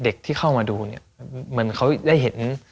เด็กที่เข้ามาดูมันเขาได้เห็น